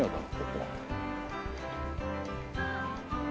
ここは。